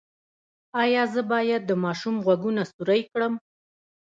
ایا زه باید د ماشوم غوږونه سورۍ کړم؟